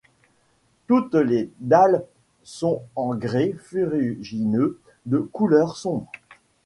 Toutes les dalles sont en grès ferrugineux de couleur sombre.